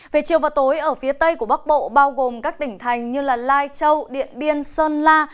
về chiều và tối ở phía tây của bắc bộ bao gồm các tỉnh thành như lai châu điện biên sơn la